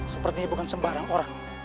sepertinya bukan sembarang orang